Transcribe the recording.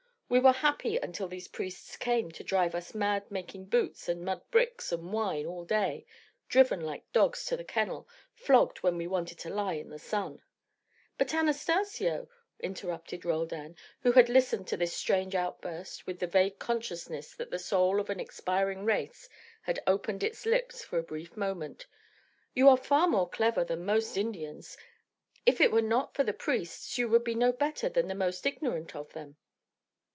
We were happy until these priests came to drive us mad making boots and mud bricks and wine all day, driven like dogs to the kennel, flogged when we wanted to lie in the sun " "But, Anastacio," interrupted Roldan, who had listened to this strange outburst with the vague consciousness that the soul of an expiring race had opened its lips for a brief moment, "you are far more clever than most Indians. If it were not for the priests you would be no better than the most ignorant of them."